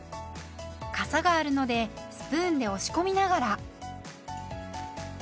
かさがあるのでスプーンで押し込みながら。